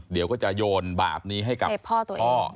เดี๋ยวก็จะโยนบาปนี้ให้กับพ่อ